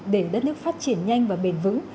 để đất nước phát triển nhanh và bền vững